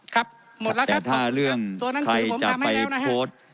ครับหมดแล้วครับแต่ถ้าเรื่องใครจะไปโพสต์